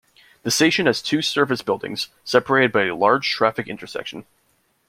The station has two surface buildings, separated by a large traffic intersection.